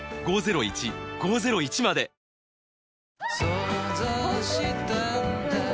想像したんだ